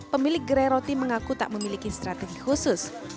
pemilik gerai roti mengaku tak memiliki strategi khusus